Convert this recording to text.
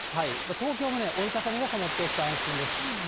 東京もね、折り畳み傘持っておくと安心です。